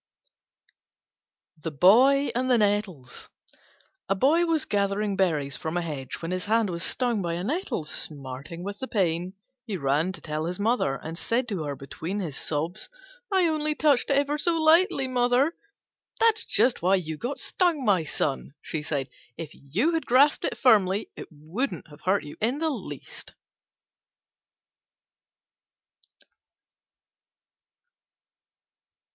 THE BOY AND THE NETTLES A Boy was gathering berries from a hedge when his hand was stung by a Nettle. Smarting with the pain, he ran to tell his mother, and said to her between his sobs, "I only touched it ever so lightly, mother." "That's just why you got stung, my son," she said; "if you had grasped it firmly, it wouldn't have hurt you in the least."